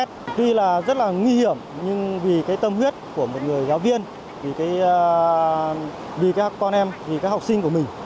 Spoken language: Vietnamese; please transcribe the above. tuy là rất là nguy hiểm nhưng vì cái tâm huyết của một người giáo viên thì vì các con em vì các học sinh của mình